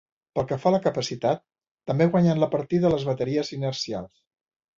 Pel que fa a la capacitat també guanyen la partida les bateries inercials.